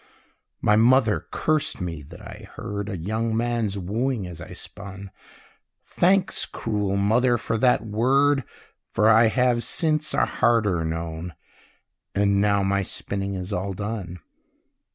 My mother cursed me that I heard A young man's wooing as I spun: Thanks, cruel mother, for that word, For I have, since, a harder known! And now my spinning is all done.